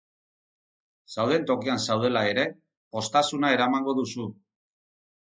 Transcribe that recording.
Zauden tokian zaudela ere, poztasuna eramango duzu.